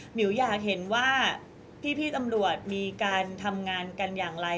มิวอยากเห็นว่าพี่ตำรวจมีการทำงานกันอย่างไร